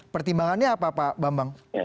pertimbangannya apa pak bambang